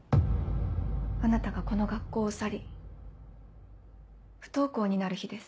あなたがこの学校を去り不登校になる日です。